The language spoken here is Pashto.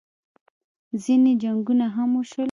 ځینې جنګونه هم وشول